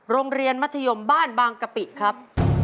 โรงเรียนมัธยมบ้านบางกะปิครับ